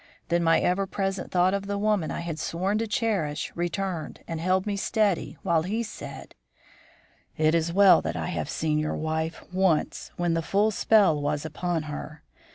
Then my ever present thought of the woman I had sworn to cherish returned and held me steady while he said: "'It is well that I have seen your wife once when the full spell was upon her.